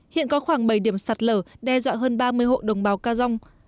hiện có khoảng bảy điểm sạt lở đe dọa hơn ba mươi hộ đồng bào ca dông